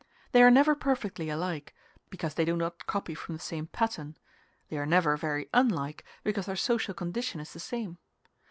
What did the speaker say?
They are never perfectly alike, because they do not copy from the same pattern; they are never very unlike, because their social condition is the same.